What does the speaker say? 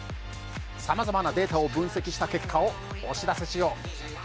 さまざまなデータを分析した結果をお知らせしよう。